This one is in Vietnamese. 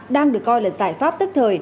đang được coi là giải pháp tức thời